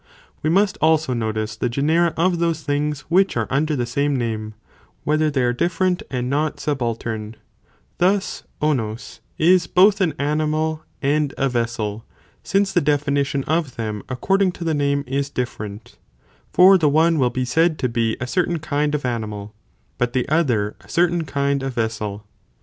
We must also notice the genera, of those ; things which are under the same name, whether πα αν τ Ὡς they are different and not subaltern, thus ὄνος is fame nams τῷ both an animal and a vessel, since the definition of them according to the name, is different, for the one will be said to be a certain kind of animal, but the other a certain kind of vessel.!